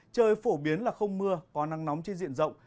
trời phổ biến là không mưa có nắng nóng trên diện rộng